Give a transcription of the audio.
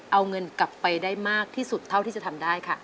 เอาเงินกลับไปได้มากที่สุดเท่าที่จะทำได้ค่ะ